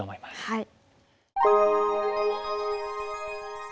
はい。